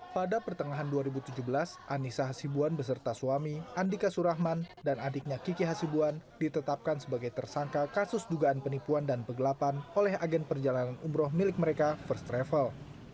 pada pertengahan dua ribu tujuh belas anissa hasibuan beserta suami andika surahman dan adiknya kiki hasibuan ditetapkan sebagai tersangka kasus dugaan penipuan dan penggelapan oleh agen perjalanan umroh milik mereka first travel